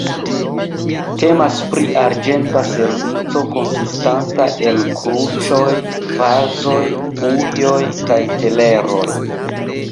Temas pri arĝenta servico konsistanta el kruĉoj, vazoj, ujoj kaj teleroj.